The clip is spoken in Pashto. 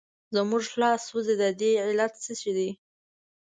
زموږ لاس سوځي د دې علت څه شی دی؟